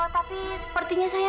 tapi sepertinya saya